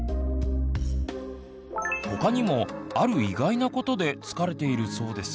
他にもある意外なことで疲れているそうです。